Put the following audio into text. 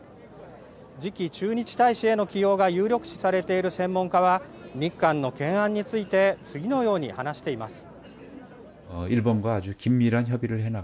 次期駐日大使への起用が有力視されている専門家は、日韓の懸案について次のように話しています。